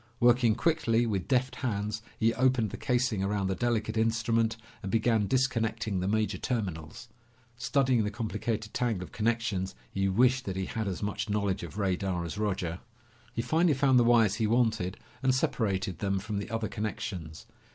Working quickly with deft hands, he opened the casing around the delicate instrument and began disconnecting the major terminals. Studying the complicated tangle of connections, he wished that he had as much knowledge of radar as Roger. He finally found the wires he wanted and separated them from the other connections.